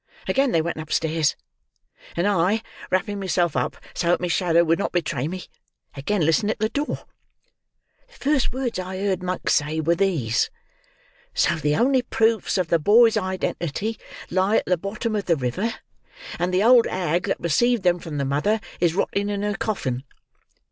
Again they went upstairs, and I, wrapping myself up so that my shadow would not betray me, again listened at the door. The first words I heard Monks say were these: 'So the only proofs of the boy's identity lie at the bottom of the river, and the old hag that received them from the mother is rotting in her coffin.